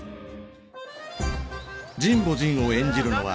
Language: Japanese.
神保仁を演じるのは。